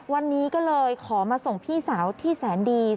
วันนี้ก็เลยขอมาส่งพี่สาวที่แสนดี